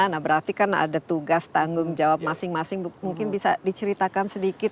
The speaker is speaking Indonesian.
nah berarti kan ada tugas tanggung jawab masing masing mungkin bisa diceritakan sedikit